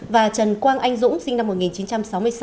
và trần quang anh dũng sinh năm một nghìn chín trăm sáu mươi sáu